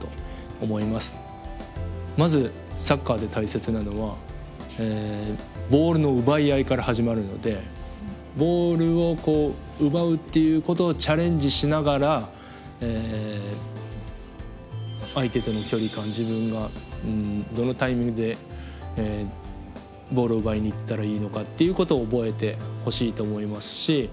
まずサッカーで大切なのはボールの奪い合いから始まるのでボールを奪うっていうことをチャレンジしながら相手との距離感自分がどのタイミングでボールを奪いにいったらいいのかっていうことを覚えてほしいと思いますし。